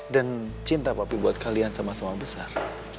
dan cinta papi buat kalian sama sama besar